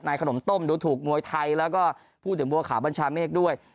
ขนมต้มดูถูกมวยไทยแล้วก็พูดถึงบัวขาวบัญชาเมฆด้วย